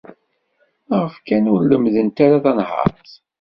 Maɣef kan ur lemmdent ara tanhaṛt?